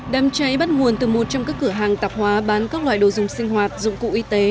đám cháy bắt nguồn từ một trong các cửa hàng tạp hóa bán các loại đồ dùng sinh hoạt dụng cụ y tế